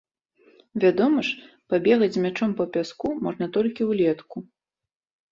Вядома ж, пабегаць з мячом па пяску можна толькі ўлетку.